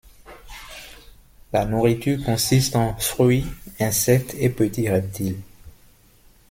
La nourriture consiste en fruits, insectes et petits reptiles.